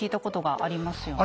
ありますね。